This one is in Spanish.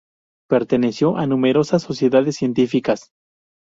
Perteneció a numerosas sociedades científicas.